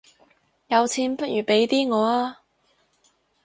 有錢不如俾啲我吖